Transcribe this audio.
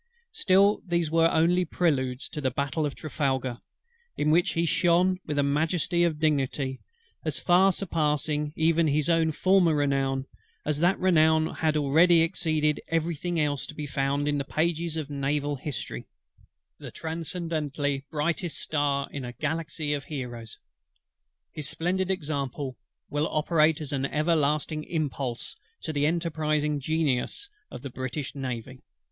Still these were only preludes to the BATTLE OF TRAFALGAR: in which he shone with a majesty of dignity as far surpassing even his own former renown, as that renown had already exceeded every thing else to be found in the pages of naval history; the transcendantly brightest star in a galaxy of heroes. His splendid example will operate as an everlasting impulse to the enterprising genius of the British Navy.